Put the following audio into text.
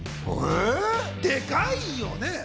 でかいよね。